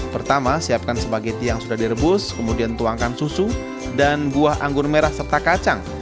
pertama siapkan spaghetti yang sudah direbus kemudian tuangkan susu dan buah anggun merah serta kacang